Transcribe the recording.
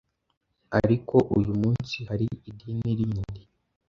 ariko uyu munsi hari idini rindi